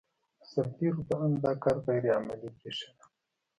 د سرتېرو په اند دا کار غیر عملي برېښېده.